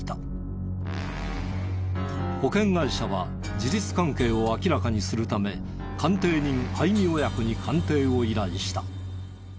保険会社は事実関係を明らかにするため鑑定人相見親子に鑑定を依頼した。